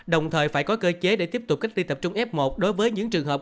đồng thời phải có cơ chế để tiếp tục cách ly tập trung f một đối với những trường hợp